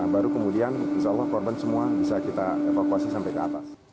baru kemudian insya allah korban semua bisa kita evakuasi sampai ke atas